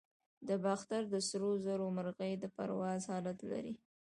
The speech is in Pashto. د باختر د سرو زرو مرغۍ د پرواز حالت لري